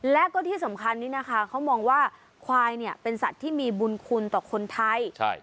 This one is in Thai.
และก็ที่สำคัญนี้นะคะเขามองว่าควายเนี่ยเป็นสัตว์ที่มีบุญคุณต่อคนไทย